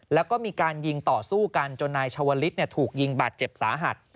แล้วก็มีการยิงต่อสู้กันจนนายชาวลิศถูกยิงบาดเจ็บสาหัส